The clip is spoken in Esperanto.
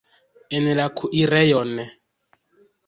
En la kuirejon!